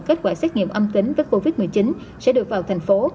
kết quả xét nghiệm âm tính với covid một mươi chín sẽ được vào thành phố